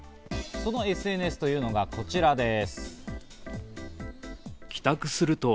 そのＳＮＳというのがこちらです。